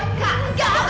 aku harus pergi